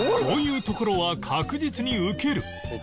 こういうところは確実にウケる